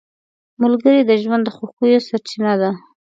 ملګری د ژوند د خوښیو سرچینه ده